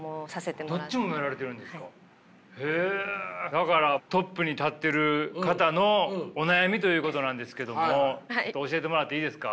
だからトップに立ってる方のお悩みということなんですけども教えてもらっていいですか。